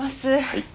はい。